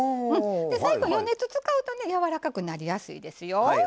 最後余熱使うとねやわらかくなりやすいですよ。